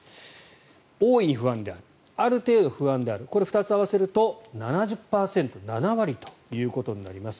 大いに不安であるある程度不安であるこれ、２つ合わせると７０％７割ということになります。